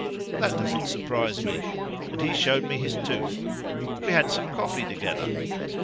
That doesn't surprise me; and he showed me his tooth; we had some coffee together.